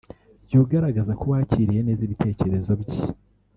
Jya ugaragaza ko wakiriye neza ibitekerezo bye